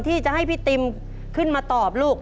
ที่จะให้พี่ติมขึ้นมาตอบลูก